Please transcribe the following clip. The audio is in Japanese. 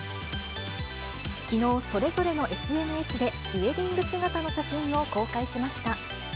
きのう、それぞれのＳＮＳでウエディング姿の写真を公開しました。